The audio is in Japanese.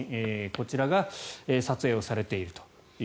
こちらが撮影されていると。